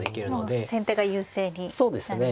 これはもう先手が優勢になりますね。